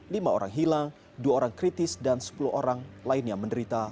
lima orang hilang dua orang kritis dan sepuluh orang lainnya menderita